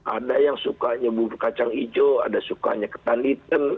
ada yang sukanya bubur kacang hijau ada sukanya ketan hitam